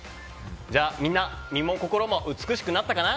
じゃあ、みんな身も心も美しくなったかな